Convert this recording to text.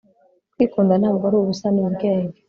kwikunda ntabwo ari ubusa. ni ubwenge